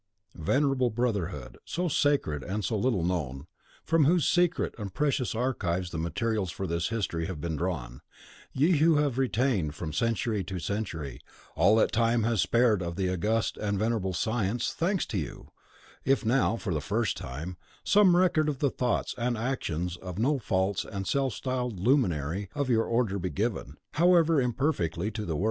Venerable Brotherhood, so sacred and so little known, from whose secret and precious archives the materials for this history have been drawn; ye who have retained, from century to century, all that time has spared of the august and venerable science, thanks to you, if now, for the first time, some record of the thoughts and actions of no false and self styled luminary of your Order be given, however imperfectly, to the world.